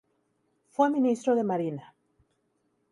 Fue Ministro de Marina.